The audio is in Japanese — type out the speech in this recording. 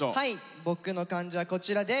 僕の漢字はこちらです。